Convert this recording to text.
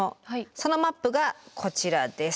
そのマップがこちらです。